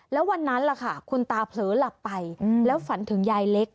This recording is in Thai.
แล้ววันนั้นล่ะค่ะคุณตาเผลอหลับไปแล้วฝันถึงยายเล็ก